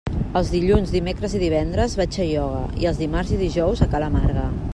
Els dilluns, dimecres i divendres vaig a ioga i els dimarts i dijous a ca la Marga.